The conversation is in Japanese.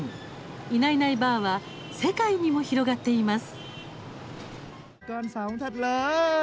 「いないいないばあっ！」は世界にも広がっています。